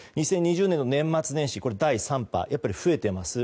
２０２０年の年末年始第３波、やっぱり増えています。